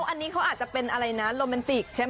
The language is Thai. อันนี้เขาอาจจะเป็นอะไรนะโรแมนติกใช่ไหม